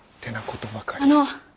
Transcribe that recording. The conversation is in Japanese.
あの。